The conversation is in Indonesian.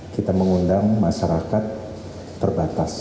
kita mengundang masyarakat terbatas